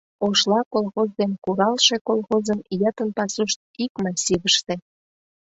«Ошла» колхоз ден «Куралше» колхозын йытын пасушт ик массивыште.